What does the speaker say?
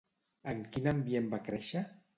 En quin ambient va créixer?